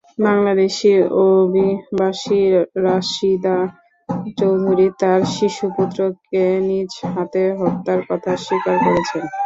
বাংলাদেশি অভিবাসী রাশিদা চৌধুরী তাঁর শিশুপুত্রকে নিজ হাতে হত্যার কথা স্বীকার করেছেন।